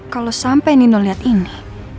kalau sampai nino lihat ini